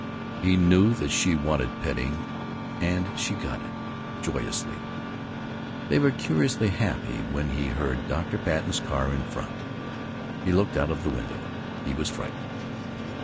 He knew that she wanted petting, and she got it, joyously. They were curiously happy when he heard Dr. Patten's car in front. He looked out of the window. He was frightened.